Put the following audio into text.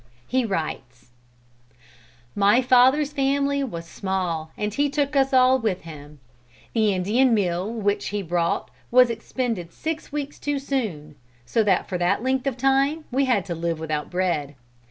He writes: "My father's family was small and he took us all with him. The Indian meal which he brought was expended six weeks too soon, so that for that length of time we had to live without bread.